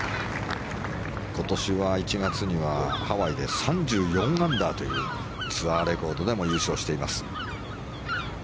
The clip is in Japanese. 今年は１月にはハワイで３４アンダーというツアーレコードでも優勝しています。